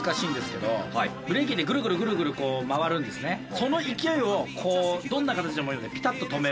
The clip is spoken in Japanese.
この勢いをどんな形でもいいのでピタッと止める。